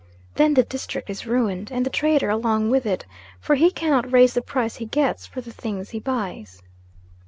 Then the district is ruined, and the trader along with it, for he cannot raise the price he gets for the things he buys.